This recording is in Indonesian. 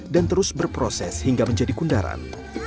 dan terus berproses hingga menjadi kundaran